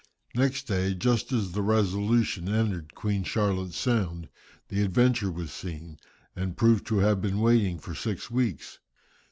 Next day, just as the Resolution entered Queen Charlotte's Sound, the Adventure was seen, and proved to have been waiting for six weeks.